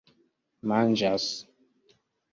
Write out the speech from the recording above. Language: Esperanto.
manĝas